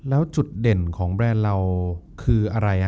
แล้วจุดเด่นของแบรนด์เราคืออะไร